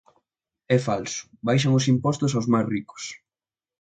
É falso, baixan os impostos aos máis ricos.